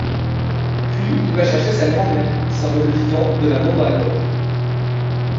Puis, il va chercher sa grand-mère symbole vivant de la Mandragore.